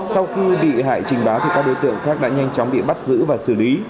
trên hại trình báo thì có đối tượng khác đã nhanh chóng bị bắt giữ và xử lý